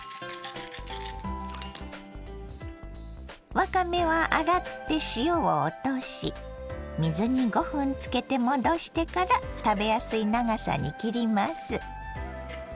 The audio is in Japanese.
わかめは洗って塩を落とし水に５分つけて戻してから食べやすい長さに切ります。